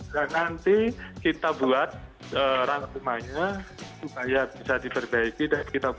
dan nanti kita buat rangkumannya supaya bisa diperbaiki